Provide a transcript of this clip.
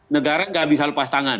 negara nggak bisa lepas tangan